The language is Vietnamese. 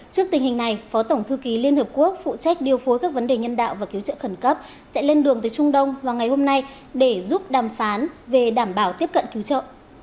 trước tình hình này phó tổng thư ký liên hợp quốc phụ trách điều phối các vấn đề nhân đạo và cứu trợ khẩn cấp sẽ lên đường tới trung đông vào ngày hôm nay để giúp đàm phán về đảm bảo tiếp cận cứu trợ